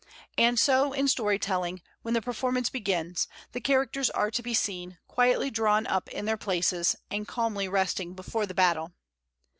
And so in story telling, when the performance begins, the characters are to be seen, quietly drawn up in their places, and calmly resting before the battle.